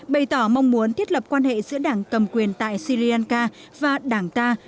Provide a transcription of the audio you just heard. bày tỏ mong muốn thiết lập quan hệ giữa đảng cầm quyền tại sri lanka và đảng ta